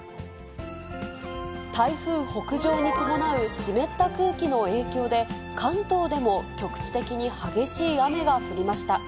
台風北上に伴う湿った空気の影響で、関東でも局地的に激しい雨が降りました。